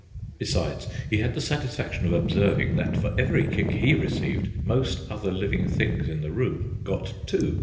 Besides, he had the satisfaction of observing that, for every kick he received, most other living things in the room got two.